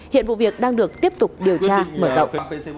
hiện vụ việc đang được tiếp tục điều tra mở rộng